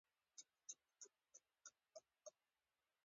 ستا د شپېلۍ اواز چې اورم، نورې خبرې د چا نۀ اورم